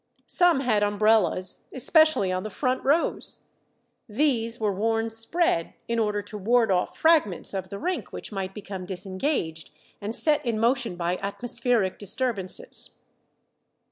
Some had umbrellas, especially on the front rows. These were worn spread, in order to ward off fragments of the rink which might become disengaged and set in motion by atmospheric disturbances.